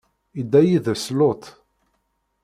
idda yid-s Luṭ.